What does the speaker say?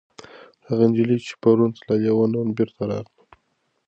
هغه نجلۍ چې پرون تللې وه، نن بېرته راغله.